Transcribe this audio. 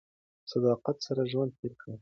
په صداقت سره ژوند تېر کړئ.